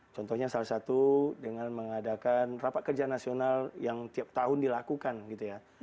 contohnya salah satu dengan mengadakan rapat kerja nasional yang tiap tahun dilakukan gitu ya